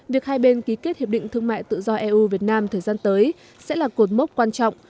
việc hai bên ký kết hiệp định thương mại tự do eu việt nam thời gian tới sẽ là cột mốc quan trọng